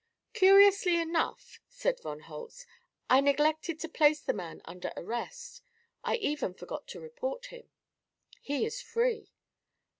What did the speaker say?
"Curiously enough," said von Holtz, "I neglected to place the man under arrest. I even forgot to report him. He is free."